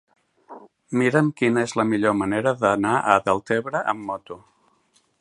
Mira'm quina és la millor manera d'anar a Deltebre amb moto.